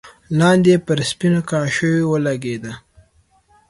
لاندې پر سپينو کاشيو ولګېده.